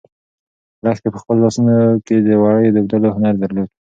لښتې په خپلو لاسو کې د وړیو د اوبدلو هنر درلود.